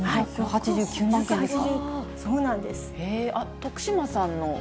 徳島さんの。